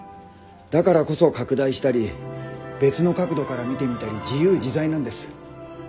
だからこそ拡大したり別の角度から見てみたり自由自在なんです。